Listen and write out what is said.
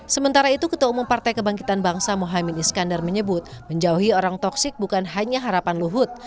sementara itu ketua umum partai kebangkitan bangsa mohaimin iskandar menyebut menjauhi orang toksik bukan hanya harapan luhut